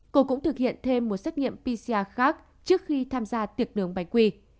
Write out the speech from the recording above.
cô cũng thực hiện thêm một xét nghiệm pcr khác trước khi tham gia tiệc nướng bánh quy